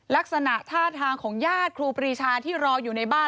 ลักษณะท่าทางของญาติครูปรีชาที่รออยู่ในบ้าน